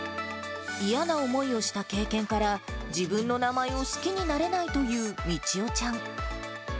嫌な思いをした経験から、自分の名前を好きになれないというみちおちゃん。